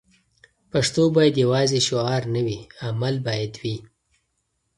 پښتو باید یوازې شعار نه وي؛ عمل باید وي.